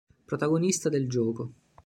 Protagonista del gioco.